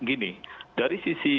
ini dari sisi